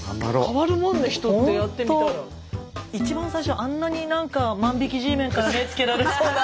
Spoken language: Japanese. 一番最初あんなになんか万引きＧメンから目付けられそうな。